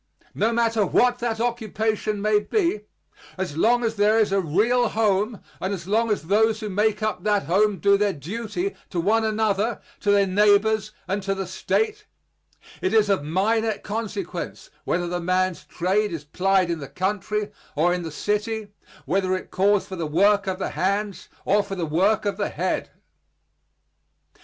No matter what that occupation may be, as long as there is a real home and as long as those who make up that home do their duty to one another, to their neighbors and to the State, it is of minor consequence whether the man's trade is plied in the country or in the city, whether it calls for the work of the hands or for the work of the head.